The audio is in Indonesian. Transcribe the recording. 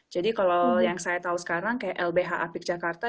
jadi kalau yang saya tahu sekarang kayak lbh apik jakarta